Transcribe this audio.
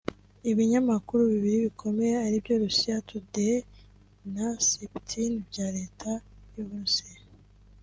ibinyamakuru bibiri bikomeye aribyo Russia Today na Sputnik bya Leta y’u Burusiya